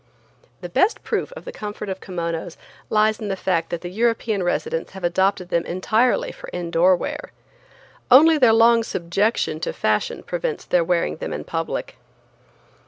The best proof of the comfort of kimonos lies in the fact that the European residents have adopted them entirely for indoor wear. Only their long subjection to fashion prevents their wearing them in public.